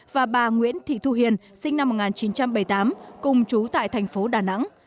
và bà nguyễn thị thu hiền sinh năm một nghìn chín trăm bảy mươi tám cùng trú tại tp đà nẵng